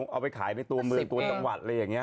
เอาไปขายในตัวเมืองตัวจังหวัดอะไรอย่างนี้